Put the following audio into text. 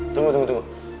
tunggu tunggu tunggu